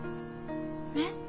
えっ？